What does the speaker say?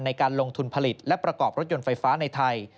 ในการลงทุนผลิตและประกอบรถยนต์ไฟฟ้าในไทย